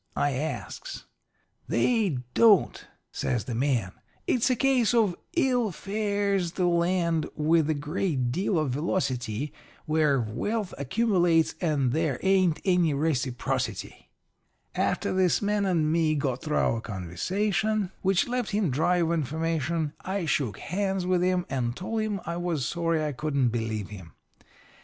I asks. "'They don't,' says the man. 'It's a case of "Ill fares the land with the great deal of velocity where wealth accumulates and there ain't any reciprocity."' "After this man and me got through our conversation, which left him dry of information, I shook hands with him and told him I was sorry I couldn't believe him.